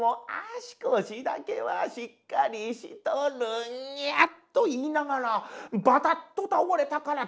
足腰だけはしっかりしとるんや」と言いながらバタッと倒れたからたまらない。